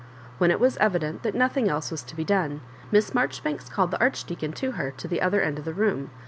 When it was evident that nothing elae was to be done, Miss Maijoribanks called the Arch deacon to her to the other end of the room.